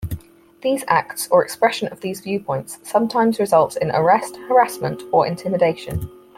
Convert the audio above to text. These acts or expression of these viewpoints sometimes results in arrest, harassment, or intimidation.